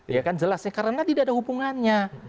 ya kan jelasnya karena tidak ada hubungannya